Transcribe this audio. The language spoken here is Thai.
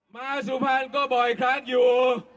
สุพรรณก็บ่อยครั้งอยู่